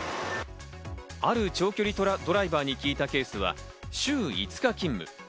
ある長距離ドライバーに聞いたケースは週５日勤務。